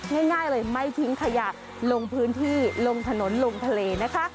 ง่ายเลยไม่ทิ้งขยะลงพื้นที่ลงถนนลงทะเลนะคะ